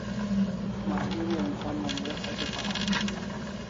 Malgeri an som Mumuret hatya paraw